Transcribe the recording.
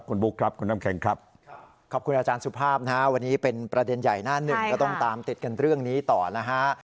คุณบุ๊คครับคุณน้ำแข็งครับขอบคุณอาจารย์สุภาพนะฮะวันนี้เป็นประเด็นใหญ่หน้าหนึ่งก็ต้องตามติดกันเรื่องนี้ต่อนะฮะ